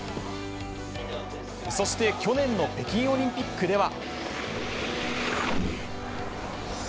そして去年の北京オリンピックでは。